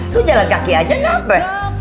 lu jalan kaki aja gak apa